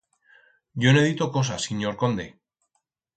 Yo no he dito cosa, sinyor conde.